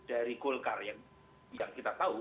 dari golkar yang kita tahu